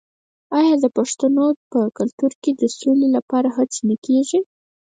آیا د پښتنو په کلتور کې د سولې لپاره هڅې نه کیږي؟